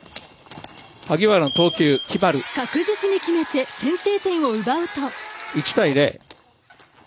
確実に決めて先制点を奪うと。